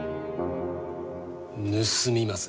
盗みまする。